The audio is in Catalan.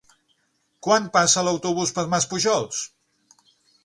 Quan passa l'autobús per Maspujols?